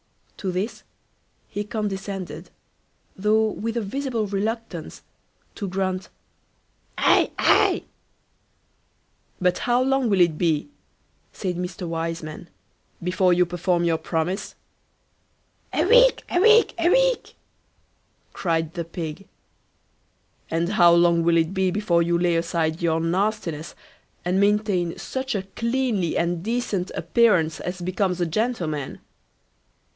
To this he condescended, though with a visible reluctance, to grunt, aye, aye. "But how long will it be, said Mr. Wiseman, before you perform your promise?" A week, a week, a week, cried the pig. "And how long will it be before you lay aside your nastiness, and maintain such a cleanly and decent appearance as becomes a gentleman?"